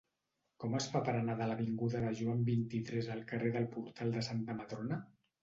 Com es fa per anar de l'avinguda de Joan vint-i-tres al carrer del Portal de Santa Madrona?